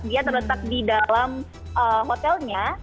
dia terletak di dalam hotelnya